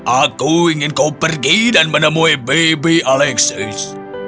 aku ingin kau pergi dan menemui bebe alexis